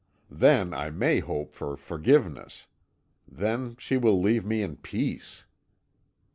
Then I may hope for forgiveness then she will leave me in peace!"